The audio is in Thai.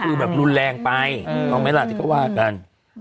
คือแบบรุนแรงไปต้องไหมล่ะที่เขาว่ากัน